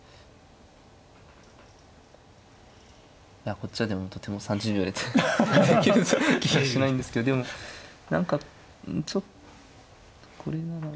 いやこっちはでもとても３０秒でできる気がしないんですけどでも何かちょっとこれならば。